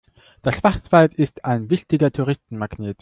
Der Schwarzwald ist ein wichtiger Touristenmagnet.